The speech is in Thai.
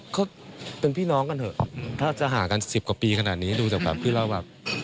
ก็เป็นพี่น้องกันเถอะถ้าจะห่างกันสิบกว่าปีขนาดนี้ดูจากแบบคือเราแบบ